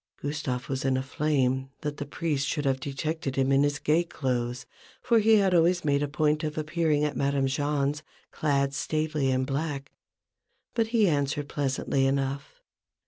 Gustave was in a flame that the priest should have detected him in his gay clothes, for he always made a point of appearing at Madame Jahn's clad staidly in black ; but he answered pleasantly enough.